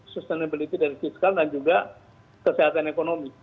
sustainability dari fiskal dan juga kesehatan ekonomi